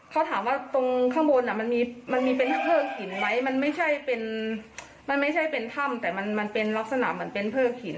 เขาถามว่าตรงข้างบนมันมีเป็นเพิกหินไหมมันไม่ใช่เป็นมันไม่ใช่เป็นถ้ำแต่มันเป็นลักษณะเหมือนเป็นเพิกหิน